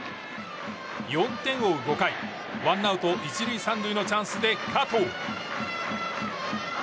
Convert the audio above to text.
４点を追う５回、ワンアウト１塁３塁のチャンスで加藤。